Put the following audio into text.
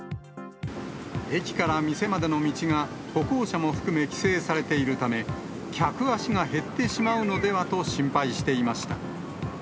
駅から店までの道が歩行者も含め規制されているため、客足が減ってしまうのではと心配していました。